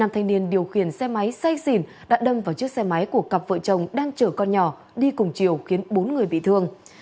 năm thanh niên điều khiển xe máy say xỉn đã đâm vào chiếc xe máy của cặp vợ chồng đang chở con nhỏ đi cùng chiều khiến bốn người bị thương